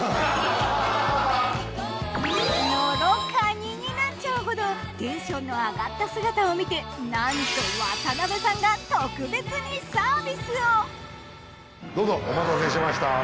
野呂かにになっちゃうほどテンションの上がった姿を見てなんと渡邉さんが特別にどうぞお待たせしました。